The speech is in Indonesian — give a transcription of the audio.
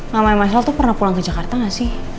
mamanya mas al tuh pernah pulang ke jakarta gak sih